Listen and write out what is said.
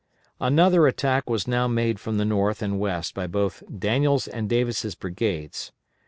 Another attack was now made from the north and west by both Daniel's and Davis' brigades.